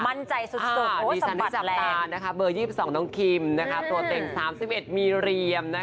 มั่นใจสุดสมบัติแรงดีฉันที่จับตานะคะเบอร์๒๒น้องคิมตัวเต่ง๓๑มีเรียมนะคะ